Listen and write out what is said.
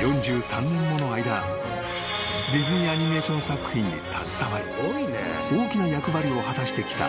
［４３年もの間ディズニー・アニメーション作品に携わり大きな役割を果たしてきた］